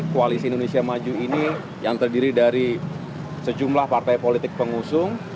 koalisi indonesia maju ini yang terdiri dari sejumlah partai politik pengusung